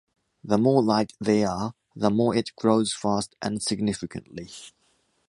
The more light they are, the more it grows fast and significantly.